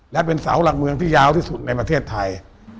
และเป็นเสาหลักเมืองที่ยาวที่สุดในประเทศไทย